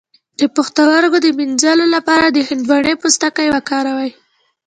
د پښتورګو د مینځلو لپاره د هندواڼې پوستکی وکاروئ